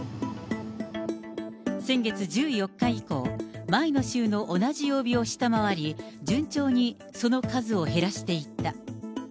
先月１４日以降、前の週の同じ曜日を下回り、順調にその数を減らしていった。